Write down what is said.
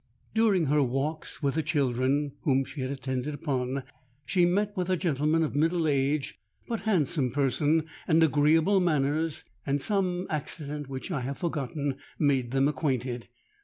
During her walks with the children whom she had to attend upon, she met with a gentleman of middle age, but handsome person and agreeable manners; and some accident, which I have forgotten, made them acquainted.